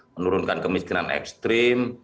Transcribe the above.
menurunkan kemiskinan ekstrim